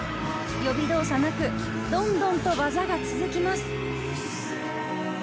予備動作なくどんどん技が続きます。